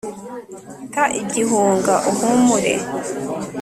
Ta igihunga uhumure,